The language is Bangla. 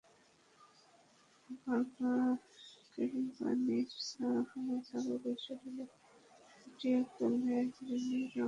আবার, কোরবানির সময় ছাগলের শরীরে ফুটিয়ে তোলে হরিণের রং-ফোঁটাও আঁকে নিখুঁতভাবে।